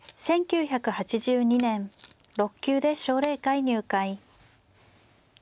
１９８２年６級で奨励会入会。